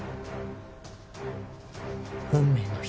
運命の日。